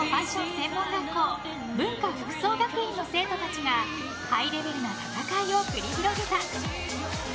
専門学校文化服装学院の生徒たちがハイレベルな戦いを繰り広げた。